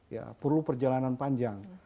ya perlu perjalanan panjang